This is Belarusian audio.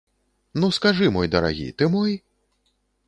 Ну, скажы, мой дарагі, ты мой?